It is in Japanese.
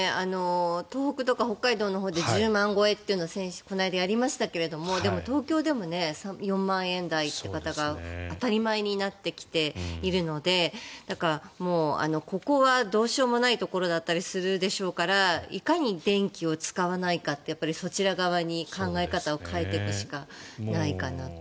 東北とか北海道のほうで１０万超えというのをこの間やりましたがでも東京でも４万円台という方が当たり前になってきているのでだから、ここはどうしようもないところだったりするでしょうからいかに電気を使わないかってそちら側に考え方を変えていくしかないかなと。